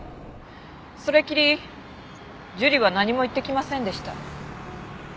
それきり樹里は何も言ってきませんでした。